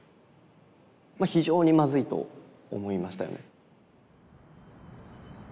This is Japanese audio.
まあ非常にまずいと思いましたよね。